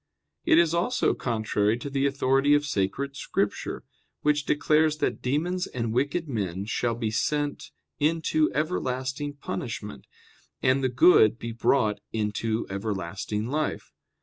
It is also contrary to the authority of Sacred Scripture, which declares that demons and wicked men shall be sent "into everlasting punishment," and the good brought "into everlasting life."